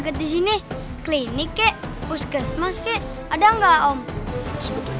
adam kamu mau ngapain